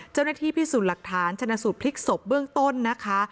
เจ้าหน้าที่พิสูจน์หลักฐานชนะสูตรพลิกศพเบื้องต้นนะคะ